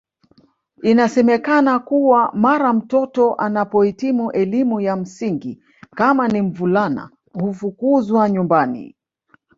Inasemekana kuwa mara mtoto anapoitimu elimu ya msingi kama ni mvulana ufukuzwa nyumbani